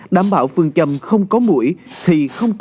đảm bảo phương châm không có mũi